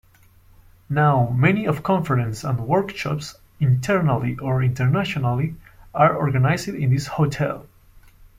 Now many of conferences and workshops, internally or internationally, are organized in this hotel.